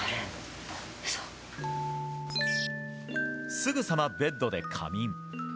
すぐさまベッドで仮眠。